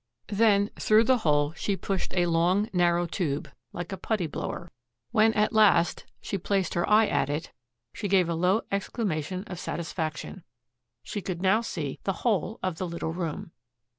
Then, through the hole, she pushed a long, narrow tube, like a putty blower. When at last she placed her eye at it, she gave a low exclamation of satisfaction. She could now see the whole of the little room.